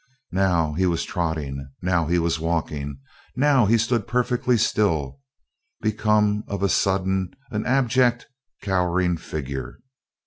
Now he was trotting, now he was walking, now he stood perfectly still, become of a sudden, an abject, cowering figure.